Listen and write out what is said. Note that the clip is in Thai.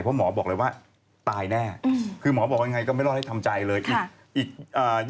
คือหมอบอกว่าอย่างไรก็ไม่รอดให้ทำใจเลย